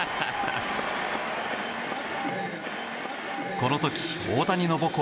この時、大谷の母校